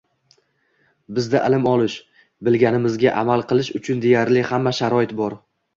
Bizda ilm olish, bilganimizga amal qilish uchun deyarli hamma sharoit bor.